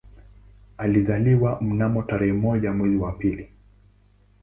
Alizaliwa mnamo tarehe moja mwezi wa pili